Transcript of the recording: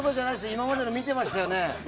今までの見てましたよね？